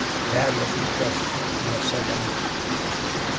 There let it rest. We have said enough!